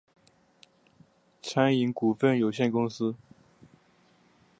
餐饮股份有限公司